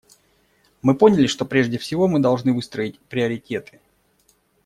Мы поняли, что прежде всего мы должны выстроить приоритеты.